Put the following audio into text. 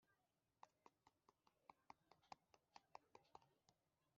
Ingenzi ikigega cy ishoramari mu rwanda